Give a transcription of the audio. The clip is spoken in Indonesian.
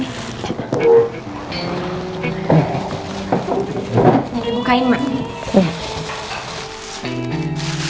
dede bukain mak